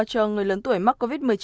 cho người lớn tuổi mắc covid một mươi chín